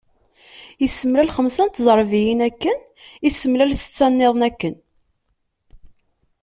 Issemlal xemsa n tẓerbiyin akken, issemlal setta-nniḍen akken.